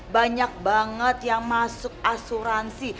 banyak banget yang masuk asuransi